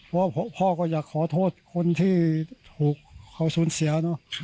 พ่อก็อยากขอโทษคนที่ถูกเขาสูญเสียเนอะ